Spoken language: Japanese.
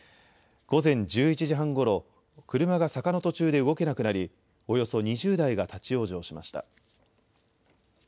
午前１１時半ごろ、車が坂の途中で動けなくなりおよそ２０台が立往生しました。